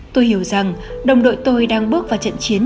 tôi hiểu rằng đồng đội tôi đang bước vào trận chiến